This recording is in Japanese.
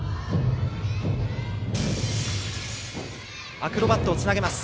アクロバットをつなげます。